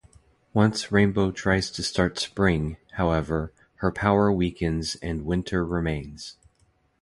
Once Rainbow tries to start spring, however, her power weakens and winter remains.